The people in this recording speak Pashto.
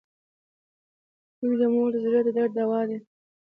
• زوی د مور د زړۀ درد دوا وي.